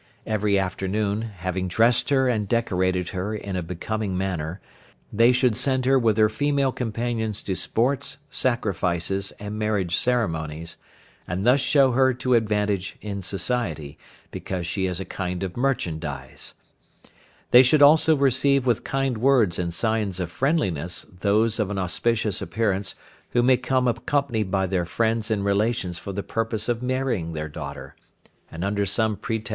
Every afternoon, having dressed her and decorated her in a becoming manner, they should send her with her female companions to sports, sacrifices, and marriage ceremonies, and thus show her to advantage in society, because she is a kind of merchandise. They should also receive with kind words and signs of friendliness those of an auspicious appearance who may come accompanied by their friends and relations for the purpose of marrying their daughter, and under some pretext or other having first dressed her becomingly, should then present her to them.